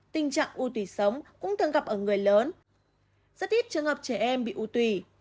tình trạng u tủy sống cũng thường gặp ở người lớn rất ít trường hợp trẻ em bị u tùy